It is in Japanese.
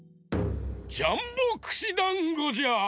ジャンボくしだんごじゃ！